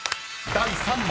［第３問］